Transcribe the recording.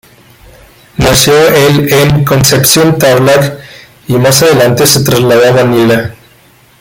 Nació el en Concepción, Tarlac y más adelante se trasladó a Manila.